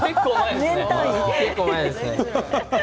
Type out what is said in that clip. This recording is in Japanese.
結構前ですね。